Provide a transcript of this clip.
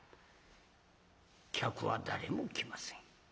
客は誰も来ません。